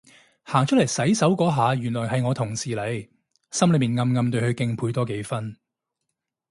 行出嚟洗手嗰下原來係我同事嚟，心裏面暗暗對佢敬佩多幾分